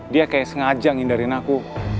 dia kayak sengaja ngindarin aku